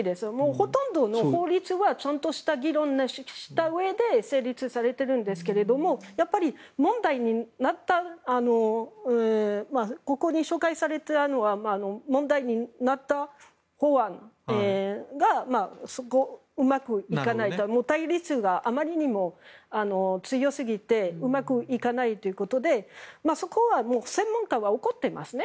ほとんどの法律はちゃんとした議論をしたうえで成立されているんですがここで紹介されたのは問題になった法案がうまくいかないと対立があまりにも強すぎてうまくいかないということでそこは専門家は怒ってますね。